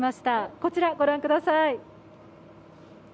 こちら、御覧ください。